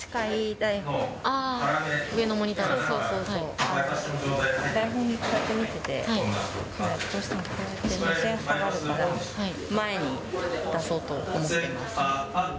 台本をこうやって見てて、どうしてもこうやって目線下がるから、前に出そうと思ってます。